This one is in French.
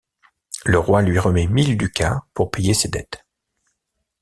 Le roi lui remet mille ducats pour payer ses dettes.